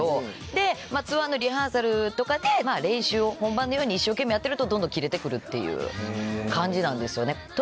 でツアーのリハーサルとかで練習を本番のように一生懸命やってるとどんどんキレて来るっていう感じなんですよね。